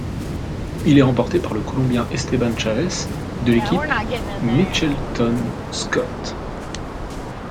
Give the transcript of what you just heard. Il est remporté par le Colombien Esteban Chaves, de l'équipe Mitchelton-Scott.